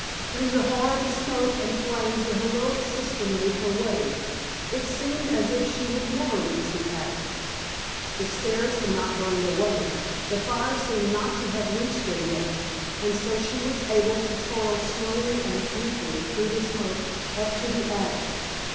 Through the horrible smoke and flames the heroic sister made her way. It seemed as if she would never reach the attic. The stairs had not burned away; the fire seemed not to have reached them yet, and so she was able to toil slowly and painfully through the smoke up to the attic.